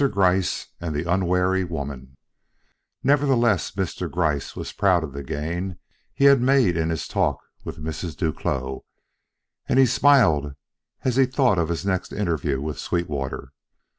GRYCE AND THE UNWARY WOMAN Nevertheless Mr. Gryce was proud of the gain he had made in his talk with Mrs. Duclos, and he smiled as he thought of his next interview with Sweetwater.